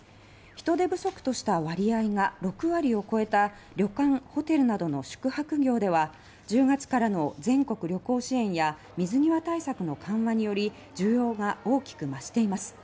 人手不足とした割合が６割を超えた旅館・ホテルなどの宿泊業では１０月からの全国旅行支援や水際対策の緩和により需要が大きく増しています。